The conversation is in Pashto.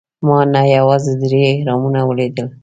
ما نه یوازې درې اهرامونه ولیدل.